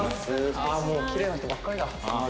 ああもうきれいな人ばっかりだ。